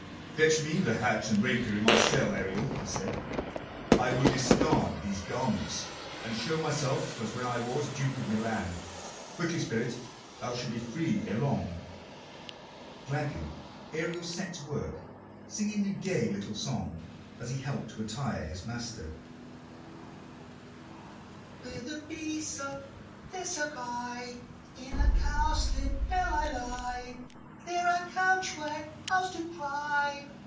"Fetch me the hat and rapier in my cell, Ariel," he said. "I will discard these garments, and show myself as when I was Duke of Milan. Quickly, spirit! Thou shalt be free ere long." Gladly Ariel set to work, singing a gay little song as he helped to attire his master: "Where the bee sucks, there suck I: In a cowslip's bell I lie; There I couch when owls do cry.